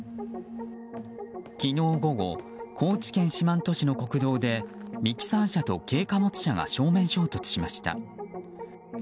昨日午後高知県四万十市の国道でミキサー車と軽貨物車が正面衝突しました。